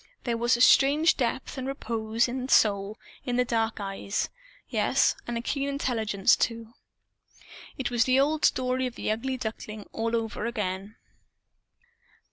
There was a strange depth and repose and Soul in the dark eyes yes, and a keen intelligence, too. It was the old story of the Ugly Duckling, all over again.